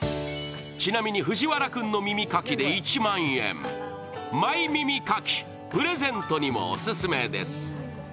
ちなみに藤原君の耳かきで１万円マイ耳かき、プレゼントにもオススメです。